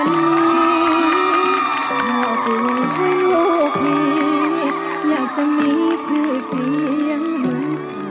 มีชื่อเสียอย่างเหมือนกัน